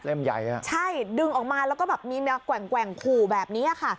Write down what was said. ใหญ่อ่ะใช่ดึงออกมาแล้วก็แบบมีแนวแกว่งขู่แบบนี้ค่ะ